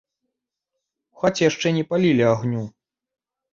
У хаце яшчэ не палілі агню.